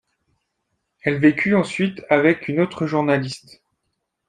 Elle vécut ensuite avec une autre journaliste.